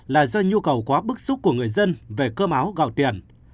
là do nhu cầu quá bức xúc của người dân về cơm áo gạo tiền